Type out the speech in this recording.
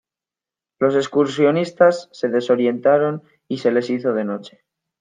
Los excursionistas se desorientaron y se les hizo de noche.